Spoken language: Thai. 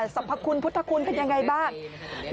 สรรพคุณพุทธคุณเป็นยังไงบ้าง